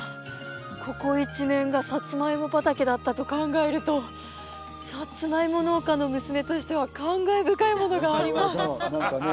ここ一面がサツマイモ畑だったと考えるとサツマイモ農家の娘としては感慨深いものがあります